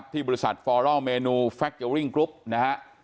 ที่บริษัทฟอลอลเมนูแฟคเจอร์ริ่งกรุ๊ปนะฮะ